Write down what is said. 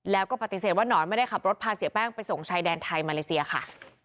แล้วก็ปฏิเสธว่านอนไม่ได้ขับรถพาเสียแป้งไปส่งชายแดนไทยมาเลเซียค่ะ